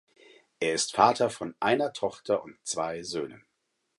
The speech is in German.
Er ist Vater von einer Tochter und zwei Söhnen.